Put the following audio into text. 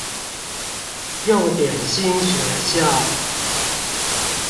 用點心學校